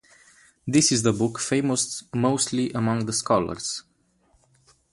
This is the book famous mostly among the scholars.